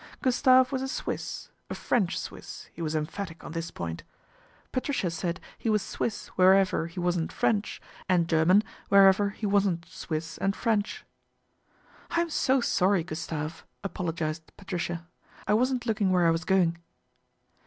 Gustave was a Swiss, a French Swiss, he was emphatic on this point. Patricia said he was Swiss wherever he wasn't French, and German wherever he wasn't Swiss and French. "I am so sorry, Gustave," apologised Patricia. "I wasn't looking where I was going."